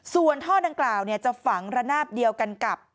ส่วนท่อดังกล่าวจะฝังระนาบเดียวกันกับ